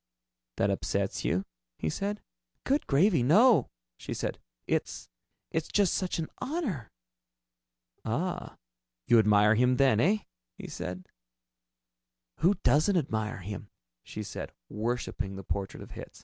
"That upsets you?" he said. "Good gravy, no!" she said. "It's it's just such an honor." "Ah, You... you admire him, eh?" he said. "Who doesn't admire him?" she said, worshiping the portrait of Hitz.